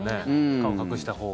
顔隠したほうが。